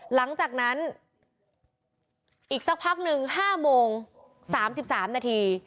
หลังจากนั้นอีกสักพักหนึ่งห้าโมงสามสิบสามนาที